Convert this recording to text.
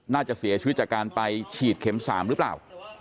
น่าจะเสียชีวิตจากการไปฉีดเข็ม๓หรือเปล่า